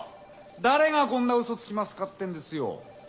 誰がこんなウソつきますかってんですよ。